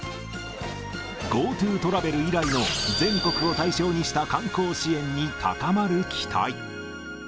ＧｏＴｏトラベル以来の全国を対象にした観光支援に高まる期待。